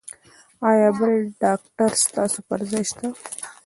ایا بل ډاکټر ستاسو پر ځای شته؟